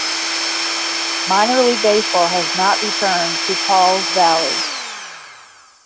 Minor league baseball has not returned to Pauls Valley.